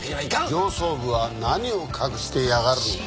「上層部は何を隠してやがるのか」